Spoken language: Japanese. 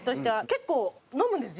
結構飲むんです。